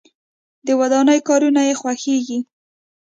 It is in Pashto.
د ودانۍ کارونه یې خوښیږي.